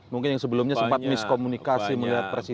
mungkin yang sebelumnya sempat miskomunikasi melihat presiden